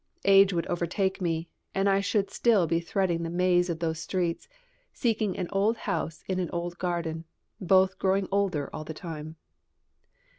Age would overtake me, and I should still be threading the maze of those streets, seeking an old house in an old garden, both growing older all the time.